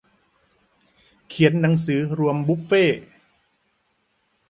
เขียนหนังสือรวมบุฟเฟต์